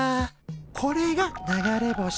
これが流れ星。